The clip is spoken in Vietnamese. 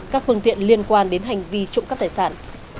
các phương tiện liên quan đến hành vi trụng các tài sản